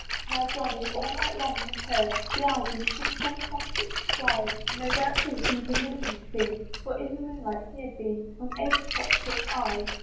Now Johnny all night long had heard The owls in tuneful concert strive; No doubt too he the moon had seen; For in the moonlight he had been From eight o'clock till five.